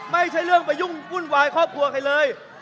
ไม่ใช่เรื่องไปยุ่งวุ่นวายครอบครัวใครเลย